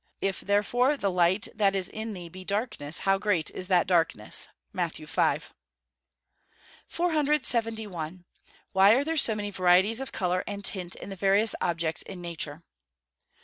If therefore the light that is in thee be darkness, how great is that darkness." MATT. V.] 471. _Why are there so many varieties of colour and tint in the various objects in nature?